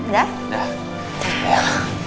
gak gitu sih